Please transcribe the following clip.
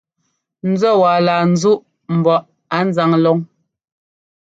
Nzúɛ́ waa laa nzúʼ mbɔ á nzáŋ lɔn.